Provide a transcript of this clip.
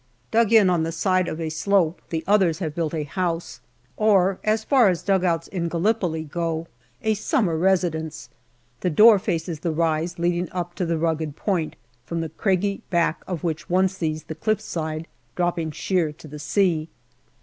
Dug in on the side of a slope the others have built a house, or, as far as dugouts in Gallipoli go, a summer residence. The door faces the rise leading up to the rugged point, from the craggy back of which one sees the cliff side dropping sheer to the sea.